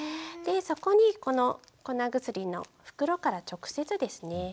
そこにこの粉薬の袋から直接ですね